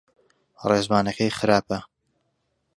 ڕێزمانەکەی خراپە.